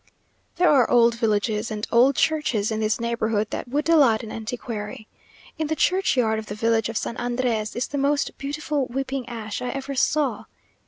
There are old villages and old churches in this neighbourhood that would delight an antiquary. In the churchyard of the village of San Andrés, is the most beautiful weeping ash I ever saw.